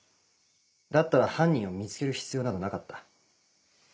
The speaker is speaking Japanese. だったら犯人を見つける必要などなかった。